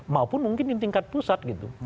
maupun mungkin di tingkat pusat gitu